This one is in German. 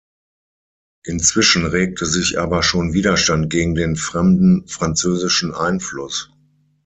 Inzwischen regte sich aber schon Widerstand gegen den „fremden“ französischen Einfluss.